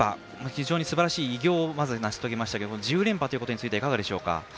非常にすばらしい偉業をまず成し遂げましたけど１０連覇ということについてはいかがでしょうか？